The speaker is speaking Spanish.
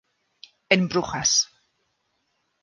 En "Brujas.